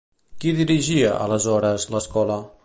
Qui dirigia, aleshores, l'escola?